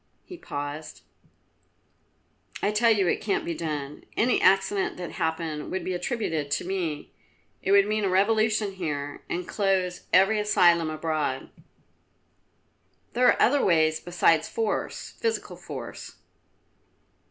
he paused. "I tell you it can't be done. Any accident that happened would be attributed to me. It would mean a revolution here, and close every asylum abroad." "There are other ways besides force, physical force."